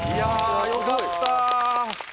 よかった。